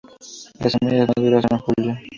Las semillas maduran en julio.